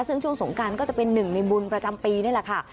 ซึ่งช่วงสงการก็จะเป็นหนึ่งในบุญประจำปีนี่แหละค่ะ